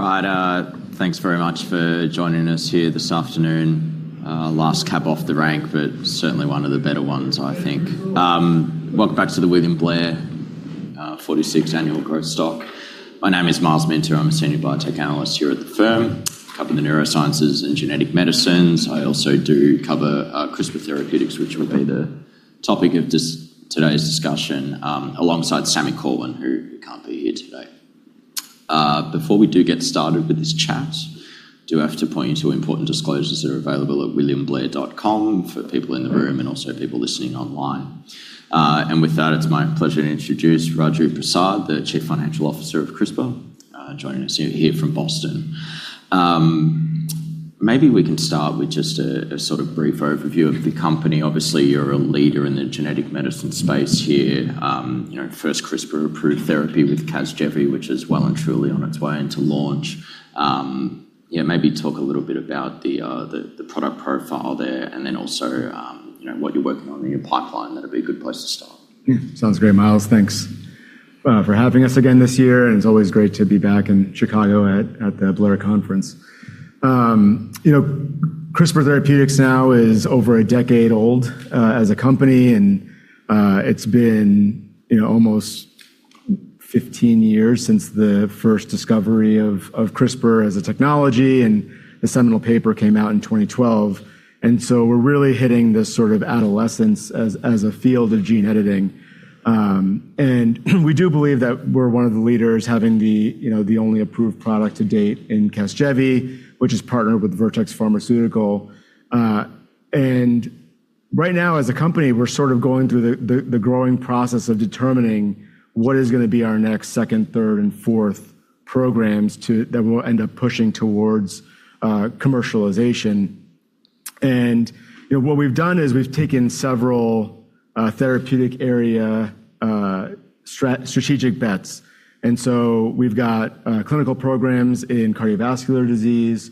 All right. Thanks very much for joining us here this afternoon. Last cab off the rank, but certainly one of the better ones, I think. Welcome back to the William Blair 46th Annual Growth Stock. My name is Myles Minter. I'm a senior biotech analyst here at the firm, covering the neurosciences and genetic medicines. I also do cover CRISPR Therapeutics, which will be the topic of today's discussion, alongside Sami Corwin, who can't be here today. Before we do get started with this chat, I do have to point you to important disclosures that are available at williamblair.com for people in the room and also people listening online. With that, it's my pleasure to introduce Raju Prasad, the Chief Financial Officer of CRISPR, joining us here from Boston. Maybe we can start with just a sort of brief overview of the company. Obviously, you're a leader in the genetic medicine space here. First CRISPR-approved therapy with CASGEVY, which is well and truly on its way into launch. Yeah, maybe talk a little bit about the product profile there and then also what you're working on in your pipeline. That'd be a good place to start. Sounds great, Myles. Thanks for having us again this year, and it's always great to be back in Chicago at the Blair Conference. CRISPR Therapeutics now is over a decade old as a company, and it's been almost 15 years since the first discovery of CRISPR as a technology, and the seminal paper came out in 2012. We're really hitting this sort of adolescence as a field of gene editing. We do believe that we're one of the leaders having the only approved product to date in CASGEVY, which is partnered with Vertex Pharmaceuticals. Right now, as a company, we're sort of going through the growing process of determining what is going to be our next second, third, and fourth programs that will end up pushing towards commercialization. What we've done is we've taken several therapeutic area strategic bets. We've got clinical programs in cardiovascular disease,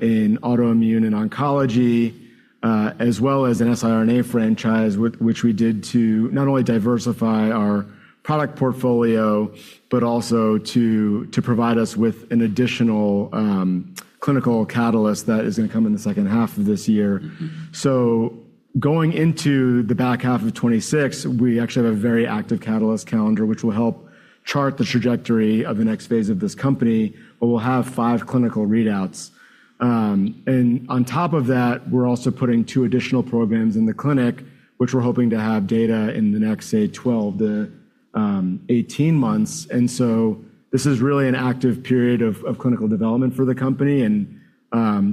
in autoimmune and oncology, as well as an siRNA franchise, which we did to not only diversify our product portfolio, but also to provide us with an additional clinical catalyst that is going to come in the second half of this year. Going into the back half of 2026, we actually have a very active catalyst calendar, which will help chart the trajectory of the next phase of this company, where we'll have five clinical readouts. On top of that, we're also putting two additional programs in the clinic, which we're hoping to have data in the next, say, 12-18 months. This is really an active period of clinical development for the company, and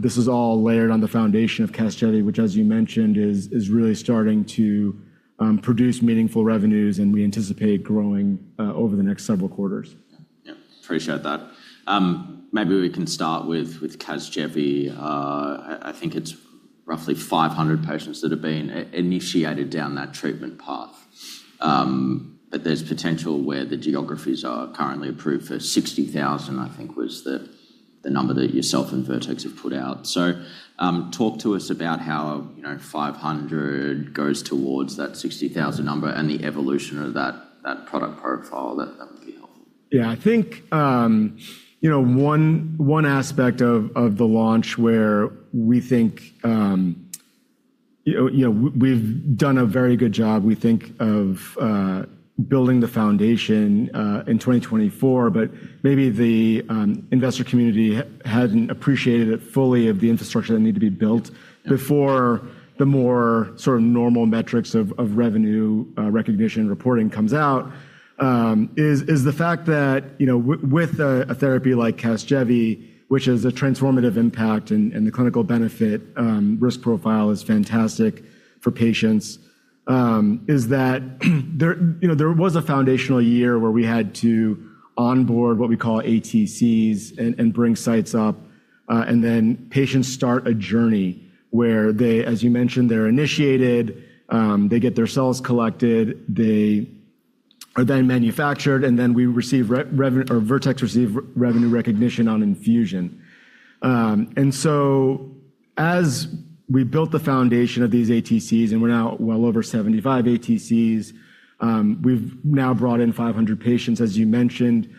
this is all layered on the foundation of CASGEVY, which, as you mentioned, is really starting to produce meaningful revenues and we anticipate growing over the next several quarters. Yeah. Appreciate that. Maybe we can start with CASGEVY. I think it's roughly 500 patients that have been initiated down that treatment path. There's potential where the geographies are currently approved for 60,000, I think was the number that yourself and Vertex have put out. Talk to us about how 500 goes towards that 60,000 number and the evolution of that product profile. That would be helpful. Yeah, I think one aspect of the launch where we think we've done a very good job, we think of building the foundation in 2024, but maybe the investor community hadn't appreciated it fully of the infrastructure that needed to be built before the more sort of normal metrics of revenue recognition reporting comes out, is the fact that with a therapy like CASGEVY, which has a transformative impact and the clinical benefit risk profile is fantastic for patients, is that there was a foundational year where we had to onboard what we call ATCs and bring sites up, and then patients start a journey where they, as you mentioned, they're initiated, they get their cells collected, they are then manufactured, and then Vertex receive revenue recognition on infusion. As we built the foundation of these ATCs, and we're now well over 75 ATCs, we've now brought in 500 patients, as you mentioned,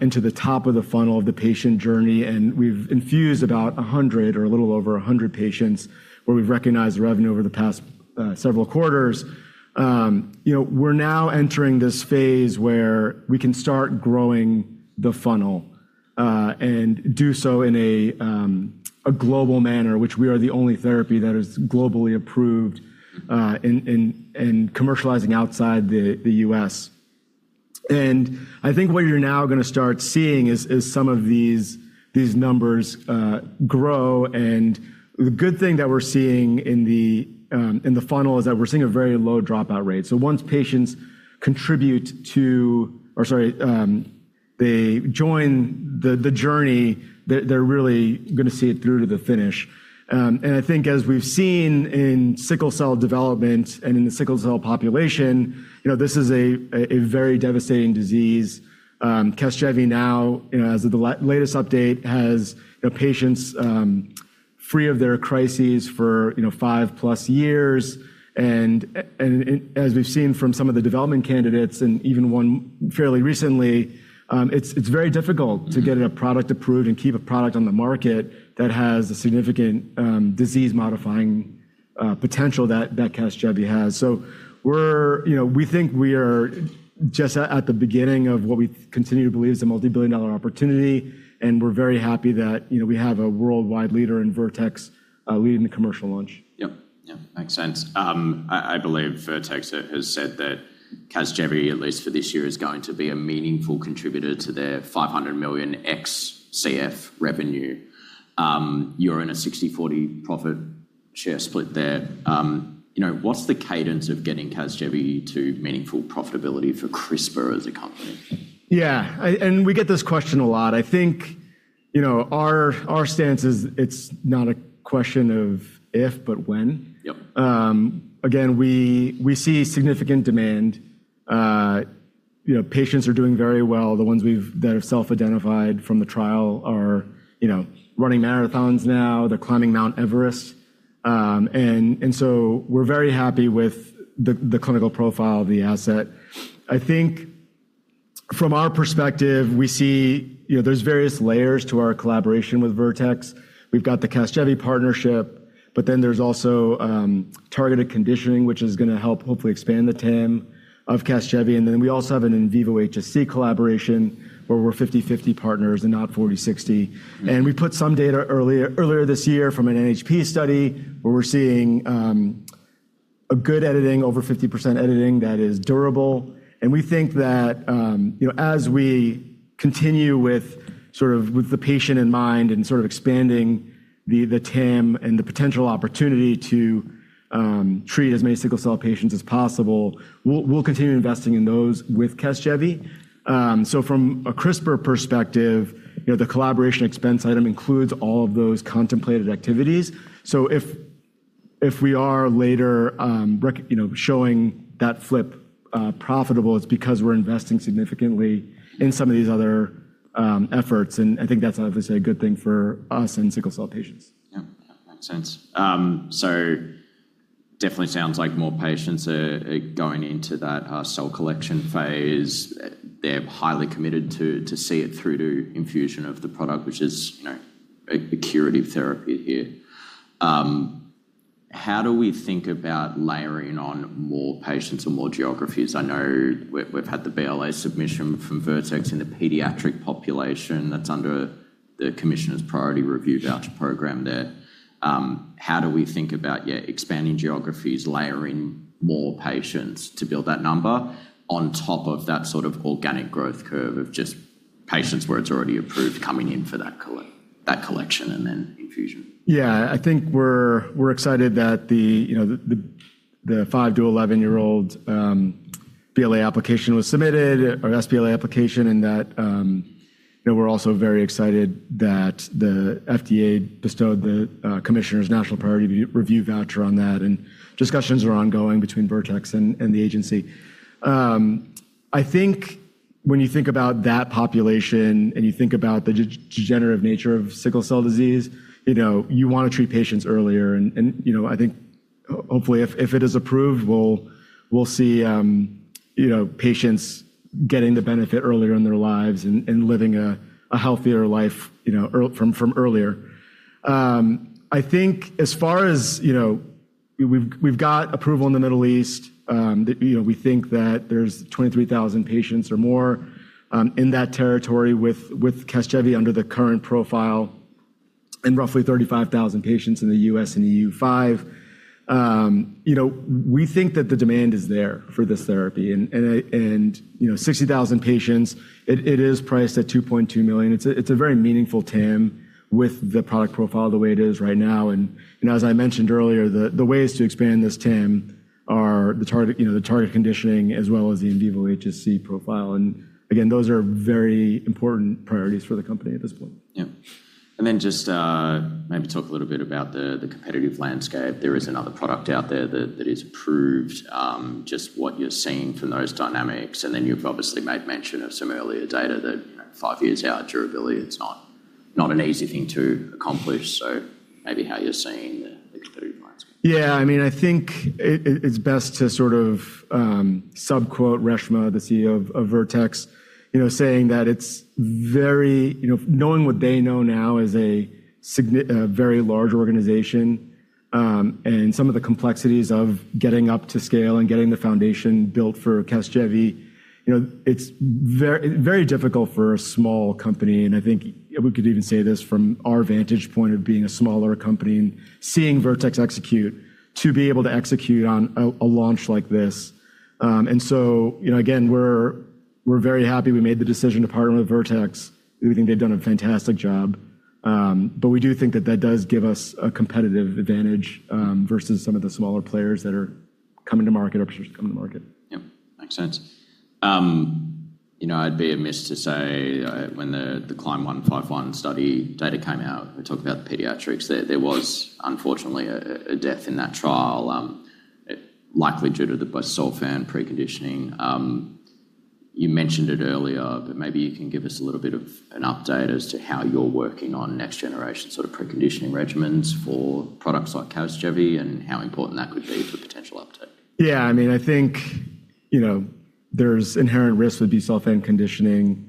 into the top of the funnel of the patient journey, and we've infused about 100 or a little over 100 patients where we've recognized revenue over the past several quarters. We're now entering this phase where we can start growing the funnel, and do so in a global manner, which we are the only therapy that is globally approved and commercializing outside the U.S. I think what you're now going to start seeing is some of these numbers grow, and the good thing that we're seeing in the funnel is that we're seeing a very low dropout rate. Once patients join the journey, they're really going to see it through to the finish. I think as we've seen in sickle cell development and in the sickle cell population, this is a very devastating disease. CASGEVY now, as of the latest update, has patients free of their crises for 5+ years. As we've seen from some of the development candidates and even one fairly recently, it's very difficult to get a product approved and keep a product on the market that has a significant disease-modifying potential that CASGEVY has. We think we are just at the beginning of what we continue to believe is a multi-billion dollar opportunity, and we're very happy that we have a worldwide leader in Vertex leading the commercial launch. Yep. Makes sense. I believe Vertex has said that CASGEVY, at least for this year, is going to be a meaningful contributor to their $500 million ex-CF revenue. You're in a 60/40 profit share split there. What's the cadence of getting CASGEVY to meaningful profitability for CRISPR as a company? Yeah. We get this question a lot. I think our stance is it's not a question of if, but when. Yep. We see significant demand. Patients are doing very well. The ones that have self-identified from the trial are running marathons now. They're climbing Mount Everest. We're very happy with the clinical profile of the asset. I think from our perspective, we see there's various layers to our collaboration with Vertex. We've got the CASGEVY partnership. There's also targeted conditioning, which is going to help hopefully expand the TAM of CASGEVY. We also have an in vivo HSC collaboration where we're 50/50 partners and not 40/60. We put some data earlier this year from an NHP study where we're seeing a good editing, over 50% editing that is durable. We think that as we continue with the patient in mind and sort of expanding the TAM and the potential opportunity to treat as many sickle cell patients as possible, we'll continue investing in those with CASGEVY. From a CRISPR perspective, the collaboration expense item includes all of those contemplated activities. If we are later showing that flip profitable, it's because we're investing significantly in some of these other efforts, and I think that's obviously a good thing for us and sickle cell patients. Yeah. Makes sense. Definitely sounds like more patients are going into that cell collection phase. They're highly committed to see it through to infusion of the product, which is a curative therapy here. How do we think about layering on more patients and more geographies? I know we've had the BLA submission from Vertex in the pediatric population that's under the Commissioner's National Priority Voucher Program there. How do we think about expanding geographies, layering more patients to build that number on top of that sort of organic growth curve of just patients where it's already approved coming in for that collection and then infusion? I think we're excited that the five to 11-year-old BLA application was submitted, or sBLA application. We're also very excited that the FDA bestowed the Commissioner's National Priority Review Voucher on that. Discussions are ongoing between Vertex and the agency. I think when you think about that population and you think about the degenerative nature of sickle cell disease, you want to treat patients earlier. I think hopefully if it is approved, we'll see patients getting the benefit earlier in their lives and living a healthier life from earlier. I think as far as we've got approval in the Middle East. We think that there's 23,000 patients or more in that territory with CASGEVY under the current profile and roughly 35,000 patients in the U.S. and EU5. We think that the demand is there for this therapy, and 60,000 patients, it is priced at $2.2 million. It's a very meaningful TAM with the product profile the way it is right now. As I mentioned earlier, the ways to expand this TAM are the targeted conditioning as well as the in vivo HSC profile. Again, those are very important priorities for the company at this point. Yeah. Just maybe talk a little bit about the competitive landscape. There is another product out there that is approved, just what you're seeing from those dynamics, you've obviously made mention of some earlier data that five years out durability is not an easy thing to accomplish. Maybe how you're seeing the competitive landscape. I think it's best to sort of sub quote Reshma, the CEO of Vertex, saying that knowing what they know now as a very large organization and some of the complexities of getting up to scale and getting the foundation built for CASGEVY, it's very difficult for a small company, and I think we could even say this from our vantage point of being a smaller company and seeing Vertex execute, to be able to execute on a launch like this. Again, we're very happy we made the decision to partner with Vertex. We think they've done a fantastic job. We do think that that does give us a competitive advantage versus some of the smaller players that are coming to market. Yep. Makes sense. I'd be amiss to say when the CLIMB-151 study data came out, we talked about the pediatrics. There was unfortunately a death in that trial, likely due to the busulfan preconditioning. You mentioned it earlier, but maybe you can give us a little bit of an update as to how you're working on next generation sort of preconditioning regimens for products like CASGEVY and how important that could be for potential uptake? I think there's inherent risk with busulfan conditioning,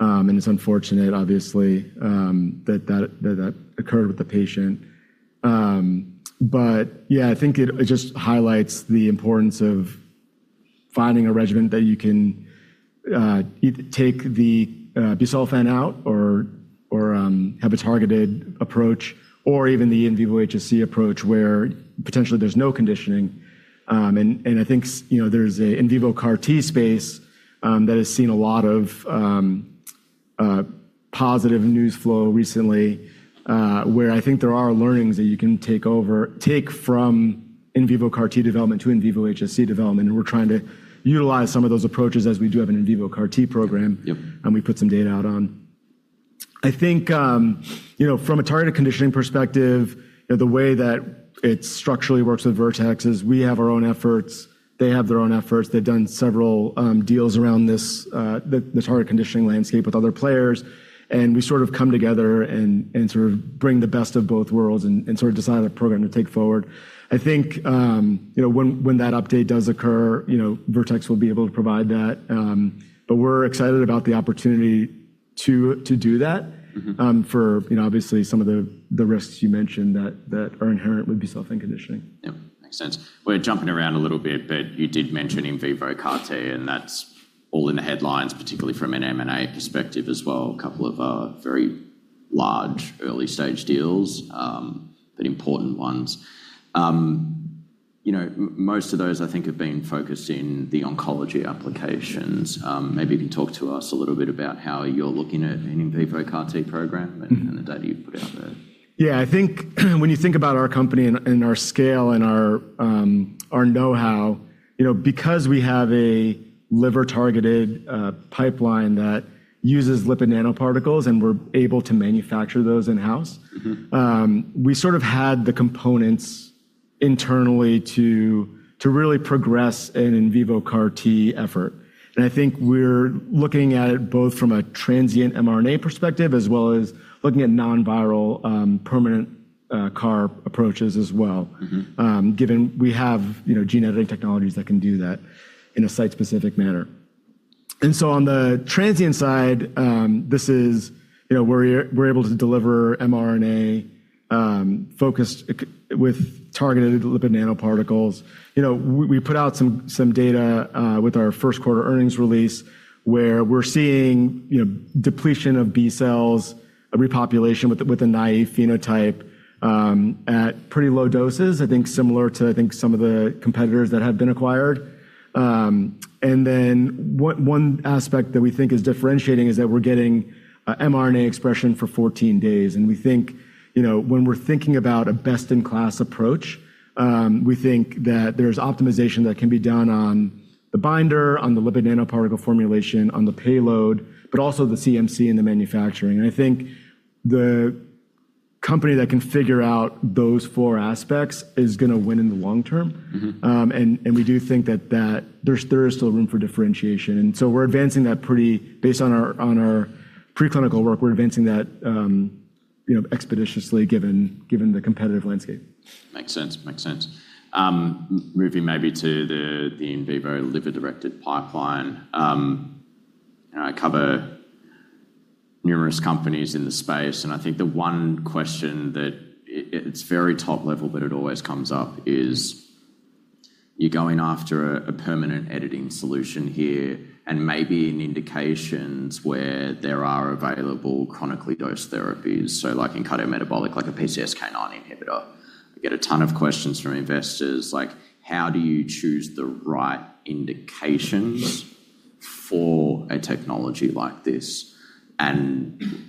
and it's unfortunate obviously that occurred with the patient. I think it just highlights the importance of finding a regimen that you can either take the busulfan out or have a targeted approach, or even the in vivo HSC approach where potentially there's no conditioning. I think there's a in vivo CAR T space that has seen a lot of positive news flow recently, where I think there are learnings that you can take from in vivo CAR T development to in vivo HSC development, and we're trying to utilize some of those approaches as we do have an in vivo CAR T program. Yep. We put some data out on. I think from a targeted conditioning perspective, the way that it structurally works with Vertex is we have our own efforts, they have their own efforts. They've done several deals around this targeted conditioning landscape with other players; we sort of come together and sort of bring the best of both worlds and sort of decide on a program to take forward. I think when that update does occur, Vertex will be able to provide that. We're excited about the opportunity to do that for obviously some of the risks you mentioned that are inherent with busulfan conditioning. Yep. Makes sense. We're jumping around a little bit, but you did mention in vivo CAR-T, and that's all in the headlines, particularly from an M&A perspective as well. A couple of very large early-stage deals, but important ones. Most of those I think have been focused in the oncology applications. Maybe you can talk to us a little bit about how you're looking at an in vivo CAR-T program and the data you put out there. Yeah. I think when you think about our company and our scale and our knowhow, because we have a liver-targeted pipeline that uses lipid nanoparticles and we're able to manufacture those in-house. We sort of had the components internally to really progress an in vivo CAR-T effort. I think we're looking at it both from a transient mRNA perspective as well as looking at non-viral, permanent CAR approaches as well. Given we have gene editing technologies that can do that in a site-specific manner. On the transient side, we're able to deliver mRNA focused with targeted lipid nanoparticles. We put out some data with our first quarter earnings release where we're seeing depletion of B cells, a repopulation with a naive phenotype at pretty low doses, I think similar to some of the competitors that have been acquired. One aspect that we think is differentiating is that we're getting mRNA expression for 14 days, and when we're thinking about a best-in-class approach, we think that there's optimization that can be done on the binder, on the lipid nanoparticle formulation, on the payload, but also the CMC and the manufacturing. I think the company that can figure out those four aspects is going to win in the long term. We do think that there is still room for differentiation. Based on our preclinical work, we're advancing that expeditiously given the competitive landscape. Makes sense. Moving maybe to the in vivo liver-directed pipeline. I cover numerous companies in the space, I think the one question that it's very top level, but it always comes up is you're going after a permanent editing solution here and maybe in indications where there are available chronically dosed therapies, so like in cardiometabolic, like a PCSK9 inhibitor. I get a ton of questions from investors like, how do you choose the right indications for a technology like this?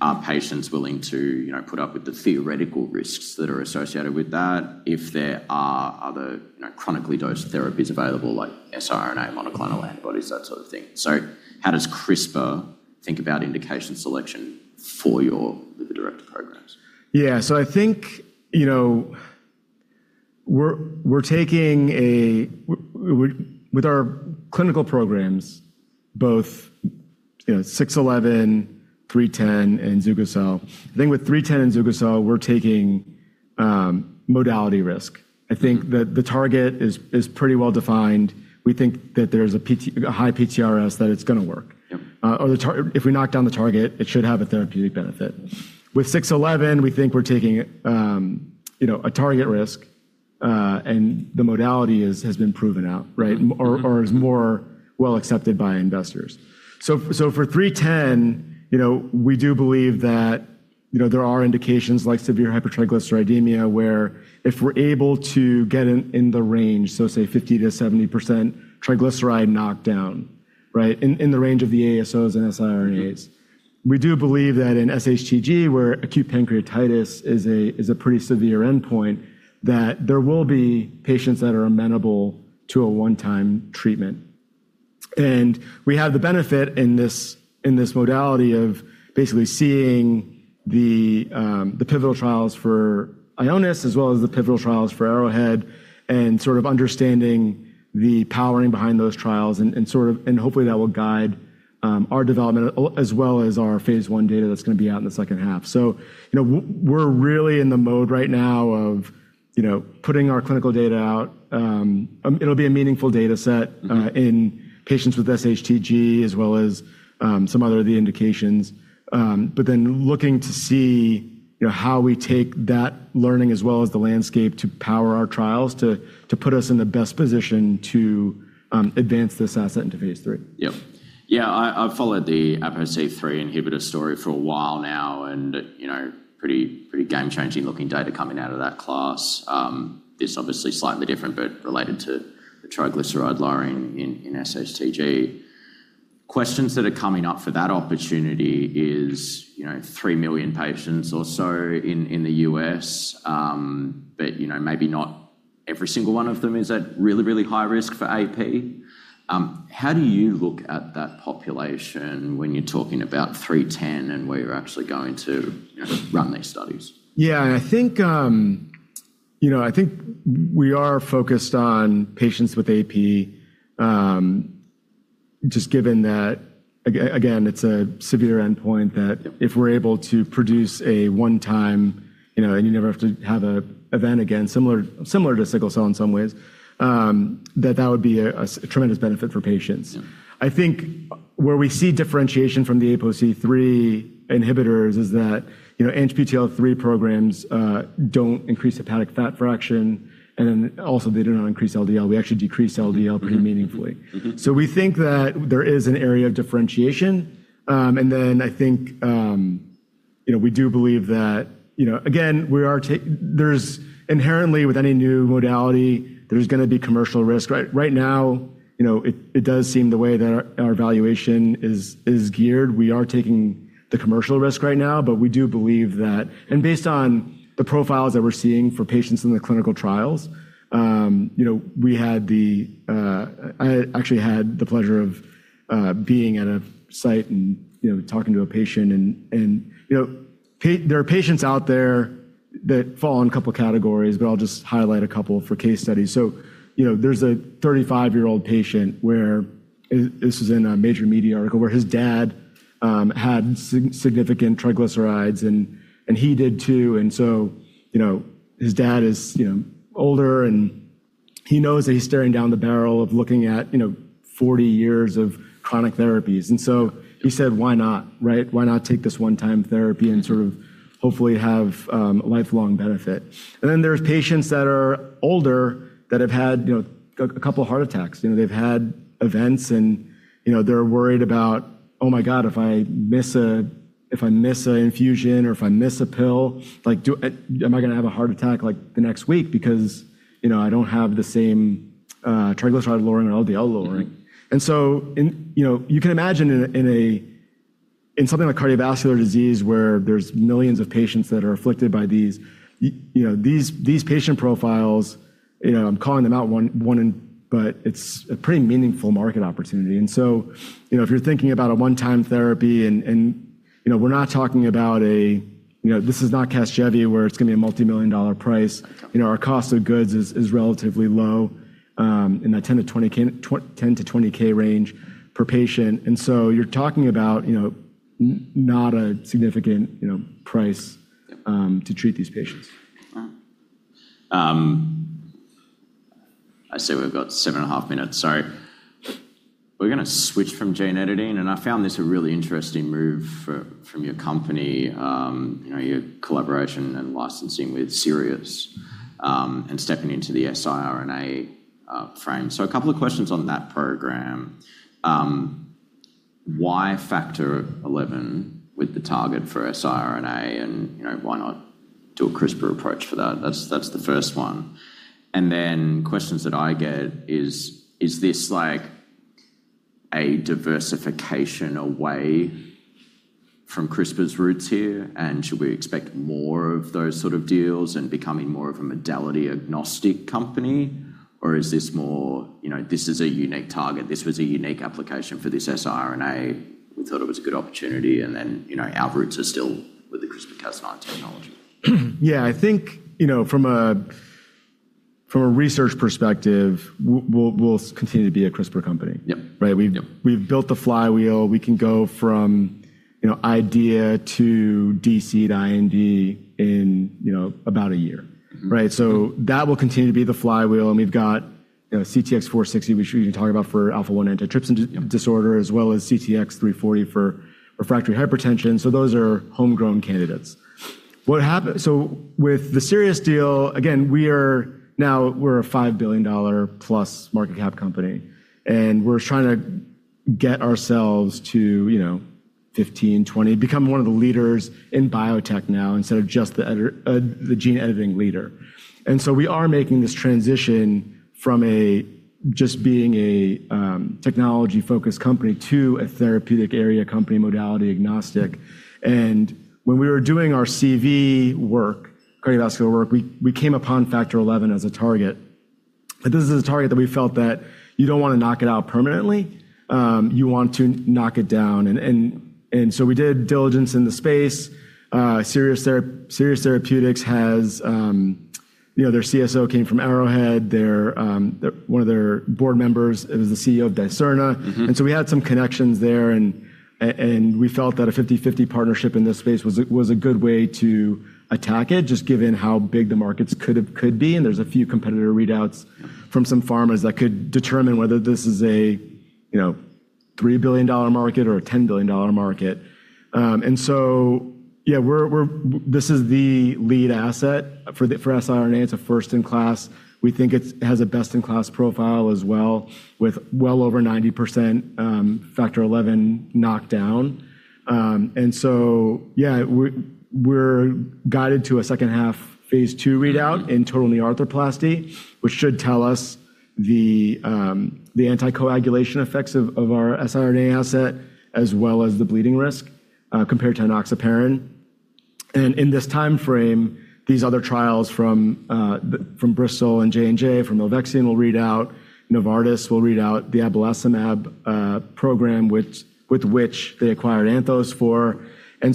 Are patients willing to put up with the theoretical risks that are associated with that if there are other chronically dosed therapies available, like siRNA, monoclonal antibodies, that sort of thing. How does CRISPR think about indication selection for your liver-directed programs? Yeah. I think with our clinical programs, both CTX611, CTX310, and exa-cel. I think with CTX310 and exa-cel we're taking modality risk. I think that the target is pretty well defined. We think that there's a high PTRS that it's going to work. If we knock down the target, it should have a therapeutic benefit. With CTX611, we think we're taking a target risk, and the modality has been proven out, right? Is more well accepted by investors. For CTX310, we do believe that there are indications like severe hypertriglyceridemia, where if we're able to get in the range, say 50%-70% triglyceride knockdown, right, in the range of the ASOs and siRNAs. We do believe that in SHTG, where acute pancreatitis is a pretty severe endpoint, that there will be patients that are amenable to a one-time treatment. We have the benefit in this modality of basically seeing the pivotal trials for Ionis as well as the pivotal trials for Arrowhead, and sort of understanding the powering behind those trials, and hopefully that will guide our development as well as our phase I data that's going to be out in the second half. We're really in the mode right now of putting our clinical data out. It'll be a meaningful data set in patients with SHTG as well as some other of the indications. Looking to see how we take that learning as well as the landscape to power our trials to put us in the best position to advance this asset into phase III. Yep. Yeah, I've followed the APOC3 inhibitor story for a while now. Pretty game-changing looking data coming out of that class. It's obviously slightly different. Related to the triglyceride lowering in SHTG. Questions that are coming up for that opportunity is, three million patients or so in the U.S. Maybe not every single one of them is at really, really high risk for AP. How do you look at that population when you're talking about CTX310 and where you're actually going to run these studies? Yeah. I think we are focused on patients with AP, just given that, again, it's a severe endpoint that if we're able to produce a one-time and you never have to have a event again, similar to sickle cell in some ways, that that would be a tremendous benefit for patients. I think where we see differentiation from the APOC3 inhibitors is that ANGPTL3 programs don't increase hepatic fat fraction, also they do not increase LDL. We actually decrease LDL pretty meaningfully. We think that there is an area of differentiation, I think we do believe that again, there's inherently with any new modality, there's going to be commercial risk, right? Right now, it does seem the way that our valuation is geared. We are taking the commercial risk right now. We do believe that, based on the profiles that we're seeing for patients in the clinical trials, I actually had the pleasure of being at a site and talking to a patient. There are patients out there that fall in a couple of categories, but I'll just highlight a couple for case studies. There's a 35-year-old patient where, this is in a major media article, where his dad had significant triglycerides and he did too. His dad is older and he knows that he's staring down the barrel of looking at 40 years of chronic therapies. He said, "Why not?" Right? Why not take this one-time therapy and sort of hopefully have a lifelong benefit. There are patients that are older that have had a couple of heart attacks. They've had events, they're worried about, "Oh my god, if I miss a infusion or if I miss a pill, am I going to have a heart attack the next week because I don't have the same triglyceride lowering or LDL lowering?" You can imagine in something like cardiovascular disease where there's millions of patients that are afflicted by these patient profiles, I'm calling them out one, but it's a pretty meaningful market opportunity. If you're thinking about a one-time therapy, this is not CASGEVY where it's going to be a multimillion-dollar price. Our cost of goods is relatively low in that $10K-$20K range per patient, and so you're talking about not a significant price to treat these patients. Wow. I see we've got seven and a half minutes, so we're going to switch from gene editing, and I found this a really interesting move from your company, your collaboration and licensing with Sirius, and stepping into the siRNA frame. A couple of questions on that program. Why Factor XI with the target for siRNA, and why not do a CRISPR approach for that? That's the first one. Questions that I get is this like a diversification away from CRISPR's roots here, and should we expect more of those sort of deals and becoming more of a modality agnostic company, or is this more this is a unique target, this was a unique application for this siRNA, we thought it was a good opportunity, and then our roots are still with the CRISPR-Cas9 technology? Yeah, I think from a research perspective, we'll continue to be a CRISPR company. Right? We've built the flywheel. We can go from idea to DC to IND in about a year, right? That will continue to be the flywheel, and we've got CTX460, which we've been talking about for Alpha-1 Antitrypsin disorder, as well as CTX340 for refractory hypertension. Those are homegrown candidates. With the Sirius deal, again, now we're a $5 billion plus market cap company, and we're trying to get ourselves to 15, 20, become one of the leaders in biotech now instead of just the gene editing leader. We are making this transition from a just being a technology focused company to a therapeutic area company, modality agnostic, and when we were doing our CV work, cardiovascular work, we came upon Factor XI as a target. This is a target that we felt that you don't want to knock it out permanently. You want to knock it down. We did diligence in the space. Sirius Therapeutics, their CSO came from Arrowhead. One of their board members is the CEO of Dicerna. We had some connections there, and we felt that a 50/50 partnership in this space was a good way to attack it, just given how big the markets could be. There are a few competitor readouts from some pharmas that could determine whether this is a $3 billion market or a $10 billion market. Yeah, this is the lead asset for siRNA. It's a first-in-class. We think it has a best-in-class profile as well, with well over 90% factor XI knockdown. Yeah, we're guided to a second-half phase II readout in total knee arthroplasty, which should tell us the anticoagulation effects of our siRNA asset, as well as the bleeding risk compared to enoxaparin. In this timeframe, these other trials from Bristol and J&J, from milvexian will read out, Novartis will read out the abelacimab program, with which they acquired Anthos for.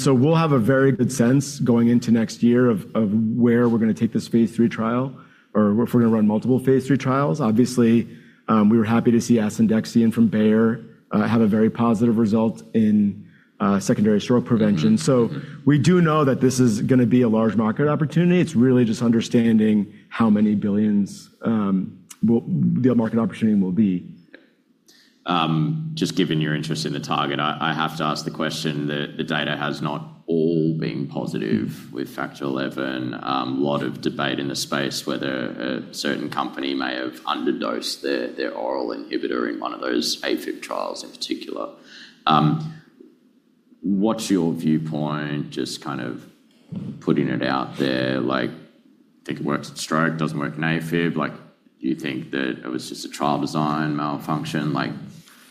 We'll have a very good sense going into next year of where we're going to take this phase III trial or if we're going to run multiple phase III trials. Obviously, we were happy to see asundexian from Bayer have a very positive result in secondary stroke prevention. We do know that this is going to be a large market opportunity. It's really just understanding how many billions the market opportunity will be. Just given your interest in the target, I have to ask the question that the data has not all been positive with factor XI. A lot of debate in the space whether a certain company may have underdosed their oral inhibitor in one of those AFib trials in particular. What's your viewpoint, just kind of putting it out there, think it works with stroke, doesn't work in AFib? Do you think that it was just a trial design malfunction?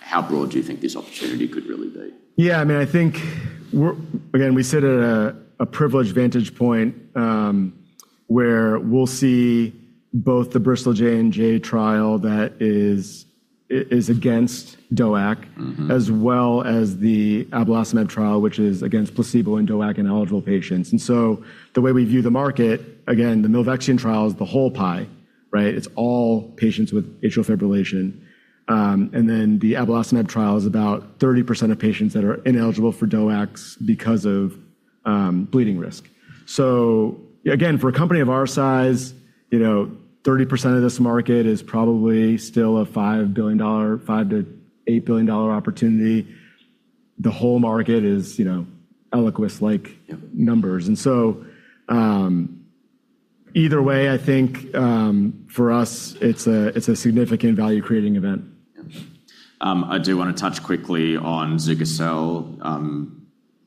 How broad do you think this opportunity could really be? Yeah. I think, again, we sit at a privileged vantage point, where we'll see both the Bristol J&J trial that is against DOAC as well as the abelacimab trial, which is against placebo and DOAC in eligible patients. The way we view the market, again, the milvexian trial is the whole pie, right? It's all patients with atrial fibrillation. The abelacimab trial is about 30% of patients that are ineligible for DOACs because of bleeding risk. Again, for a company of our size, 30% of this market is probably still a $5 billion-$8 billion opportunity. The whole market is Eliquis-like numbers. Either way, I think for us, it's a significant value-creating event. I do want to touch quickly on zugo-cel,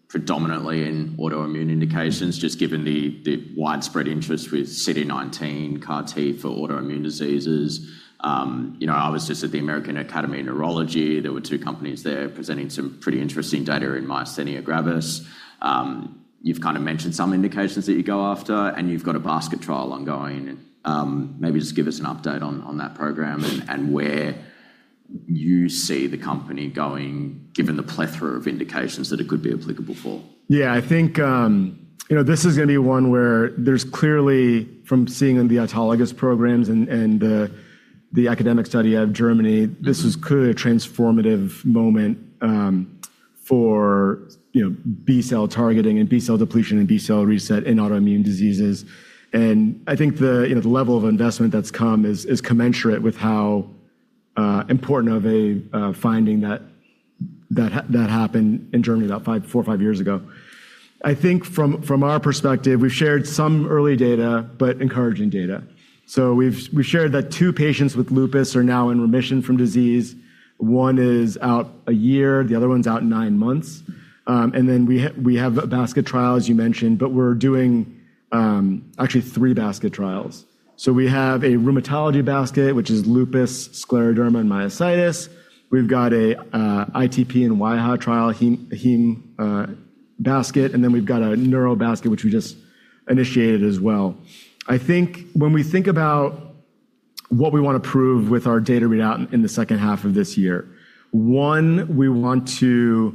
predominantly in autoimmune indications, just given the widespread interest with CD19 CAR T for autoimmune diseases. I was just at the American Academy of Neurology. There were two companies there presenting some pretty interesting data in myasthenia gravis. You've kind of mentioned some indications that you go after, and you've got a basket trial ongoing, and maybe just give us an update on that program and where you see the company going, given the plethora of indications that it could be applicable for. Yeah, I think this is going to be one where there's clearly, from seeing in the autologous programs and the academic study out of Germany, this is clearly a transformative moment for B-cell targeting and B-cell depletion and B-cell reset in autoimmune diseases. I think the level of investment that's come is commensurate with how important of a finding that happened in Germany about four or five years ago. I think from our perspective, we've shared some early data, but encouraging data. We've shared that two patients with lupus are now in remission from disease. One is out a year, the other one's out nine months. We have a basket trial, as you mentioned, but we're doing actually three basket trials. We have a rheumatology basket, which is lupus, scleroderma, and myositis. We've got a ITP and ITP trial heme basket. Then we've got a neuro basket, which we just initiated as well. I think when we think about what we want to prove with our data readout in the second half of this year, one, we want to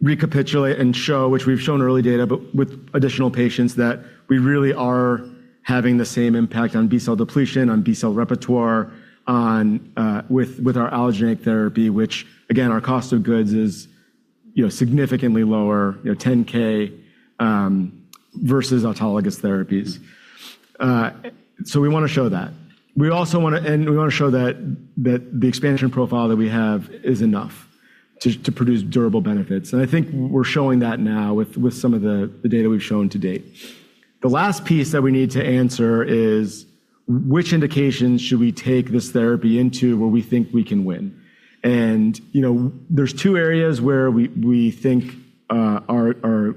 recapitulate and show, which we've shown early data, but with additional patients that we really are having the same impact on B-cell depletion, on B-cell repertoire with our allogeneic therapy, which again, our cost of goods is significantly lower, $10K versus autologous therapies. We want to show that. We want to show that the expansion profile that we have is enough to produce durable benefits. I think we're showing that now with some of the data we've shown to date. The last piece that we need to answer is which indications should we take this therapy into where we think we can win? There are two areas where we think are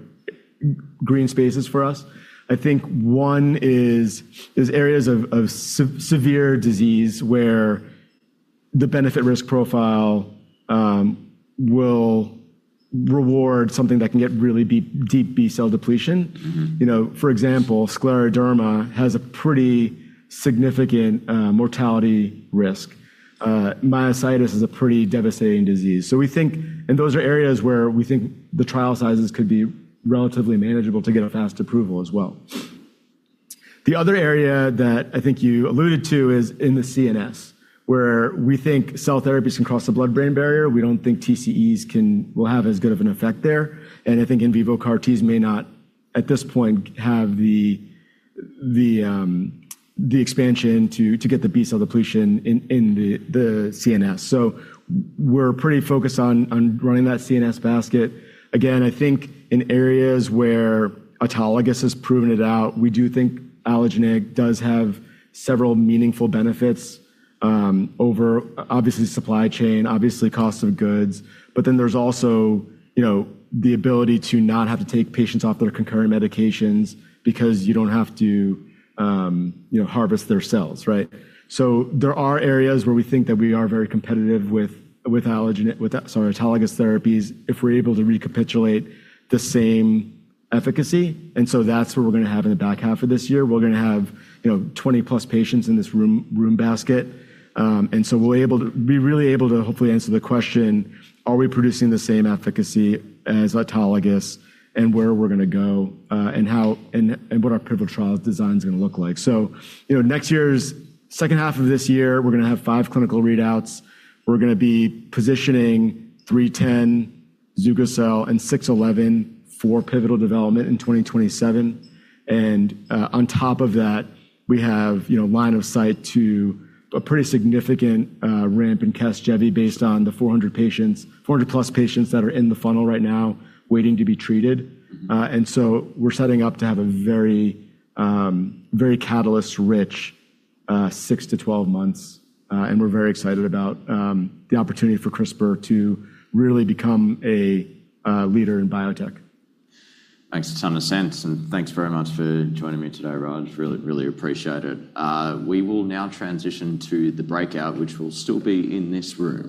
green spaces for us. I think one is areas of severe disease where the benefit risk profile will reward something that can get really deep B-cell depletion. For example, scleroderma has a pretty significant mortality risk. Myositis is a pretty devastating disease. Those are areas where we think the trial sizes could be relatively manageable to get a fast approval as well. The other area that I think you alluded to is in the CNS, where we think cell therapies can cross the blood-brain barrier. We don't think TCEs will have as good of an effect there. I think in vivo CAR-Ts may not, at this point, have the expansion to get the B-cell depletion in the CNS. We're pretty focused on growing that CNS basket. Again, I think in areas where autologous has proven it out, we do think allogeneic does have several meaningful benefits over obviously supply chain, obviously cost of goods. There's also the ability to not have to take patients off their concurrent medications because you don't have to harvest their cells, right? There are areas where we think that we are very competitive with autologous therapies if we're able to recapitulate the same efficacy. That's what we're going to have in the back half of this year. We're going to have 20-plus patients in this room basket. We'll be really able to hopefully answer the question: are we producing the same efficacy as autologous and where we're going to go, and what our pivotal trials design is going to look like. Second half of this year, we're going to have five clinical readouts. We're going to be positioning CTX310, zugo-cel, and CTX611 for pivotal development in 2027. On top of that, we have line of sight to a pretty significant ramp in CASGEVY based on the 400-plus patients that are in the funnel right now waiting to be treated. We're setting up to have a very catalyst-rich 6-12 months, and we're very excited about the opportunity for CRISPR to really become a leader in biotech. Makes a ton of sense, and thanks very much for joining me today, Raj. Really appreciate it. We will now transition to the breakout, which will still be in this room